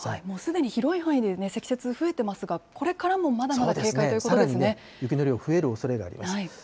もうすでに広い範囲で積雪増えてますが、これからもまだまだそうですね、さらに雪の量増えるおそれがあります。